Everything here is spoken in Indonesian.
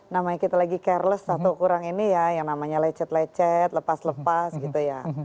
namanya kita lagi careless atau kurang ini ya yang namanya lecet lecet lepas lepas gitu ya